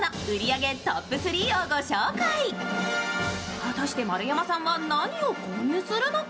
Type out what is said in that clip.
果たして丸山さんは何を購入するのか？